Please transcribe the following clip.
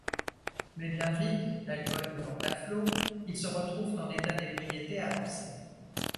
Mais bien vite, l'alcool coulant à flots, ils se retrouvent en état d'ébriété avancé.